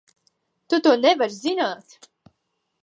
Tu to nevari zināt!